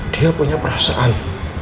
dia punya perasaan